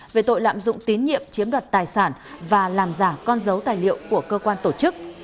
về tội lạm dụng tín nhiệm chiếm đoạt tài sản và làm giả con dấu tài liệu của cơ quan tổ chức